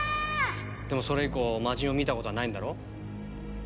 でもそれ以降魔人を見た事はないんだろ？